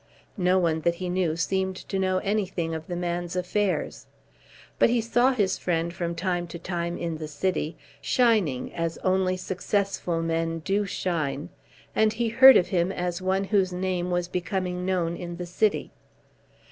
No one that he knew seemed to know anything of the man's affairs. But he saw his friend from time to time in the city, shining as only successful men do shine, and he heard of him as one whose name was becoming known in the city.